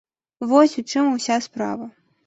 Вось у чым уся справа.